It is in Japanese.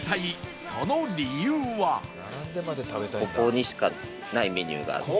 ここにしかないメニューがあって。